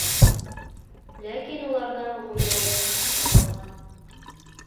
Ләкин уларҙың ғүмере ҡыҫҡа булған.